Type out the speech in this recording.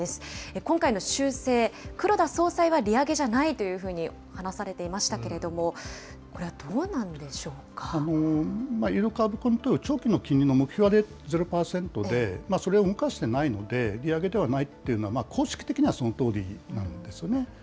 今回の修正、黒田総裁は利上げじゃないというふうに話されていましたけれども、これはどうなんでイールドカーブコントロール、長期の金利の目標は０％で、それは動かしてないので、利上げではないというのは、公式的にはそのとおりなんですよね。